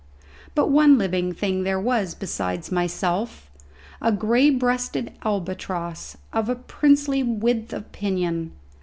But one living thing there was besides myself: a grey breasted albatross, of a princely width of pinion.